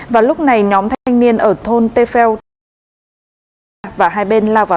và lúc này nhóm thanh niên ở thôn tê pheo xã đắc trăm huyện đắc tô tỉnh con tum